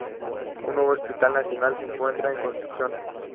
Un Nuevo Hospital Nacional se encuentra en construcción.